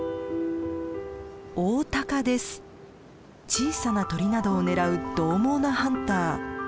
小さな鳥などを狙うどう猛なハンター。